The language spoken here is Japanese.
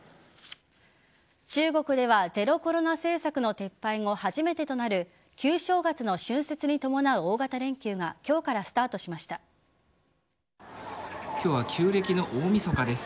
中国ではゼロコロナ政策の撤廃後初めてとなる旧正月の春節に伴う大型連休が今日は旧暦の大晦日です。